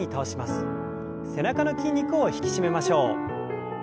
背中の筋肉を引き締めましょう。